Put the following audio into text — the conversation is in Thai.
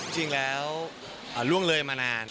จริงแล้วล่วงเลยมานาน